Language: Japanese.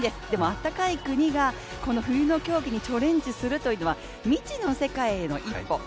でもあったかい国が、冬の競技にチャレンジするというのは、未知の世界への一歩。